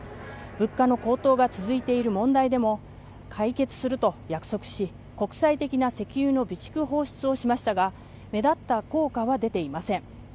物価の高騰が続いている問題でも解決すると約束し国際的な石油の備蓄放出をしましたが目立った効果は出ていません。